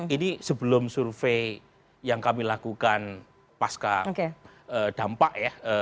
ini sebelum survei yang kami lakukan pasca dampak ya